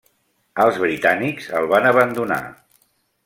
Els britànics el van abandonar.